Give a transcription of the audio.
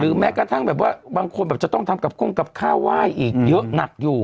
แม้กระทั่งแบบว่าบางคนแบบจะต้องทำกับก้งกับข้าวไหว้อีกเยอะหนักอยู่